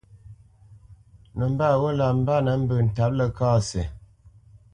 Nəmbat ghó lǎ mbánə́ mbə́ ntǎp Ləkasi.